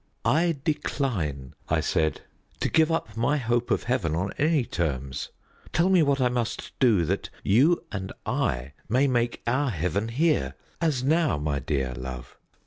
"I decline," I said, "to give up my hope of heaven on any terms. Tell me what I must do, that you and I may make our heaven here as now, my dear love."